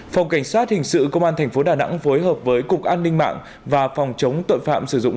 phòng cảnh sát hình sự công an tp đà nẵng phối hợp với cục an ninh mạng và phòng chống tội phạm sử dụng